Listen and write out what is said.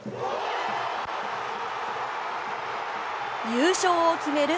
優勝を決める